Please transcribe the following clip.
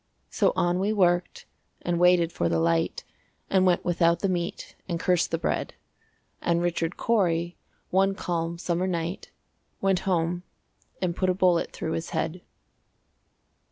So on we worked, and waited for the light, And went without the meat, and cursed the bread; And Richard Cory, one calm summer night, Went home and put a bullet through his head.